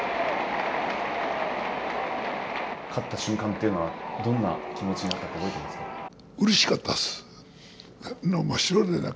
勝った瞬間というのはどんな気持ちになったか覚えていますか。